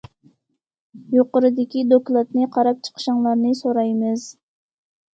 يۇقىرىدىكى دوكلاتنى قاراپ چىقىشىڭلارنى سورايمىز.